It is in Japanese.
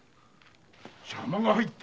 邪魔が入った？